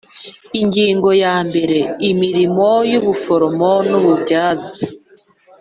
Ingingo ya mbere Imirimo y ubuforomo n ububyaza